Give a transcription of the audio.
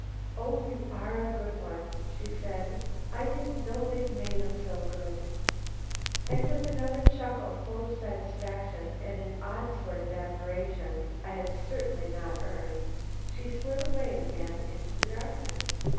"Oh, you are a good one," she said. "I didn't know they made 'em so good!" And with another chuckle full of satisfaction and an odd sort of admiration I had certainly not earned, she slid away again into the darkness.